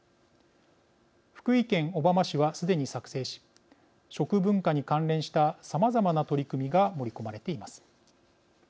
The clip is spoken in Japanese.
福井県小浜市はすでに作成し食文化に関連したさまざまな取り組みが盛り込まれています。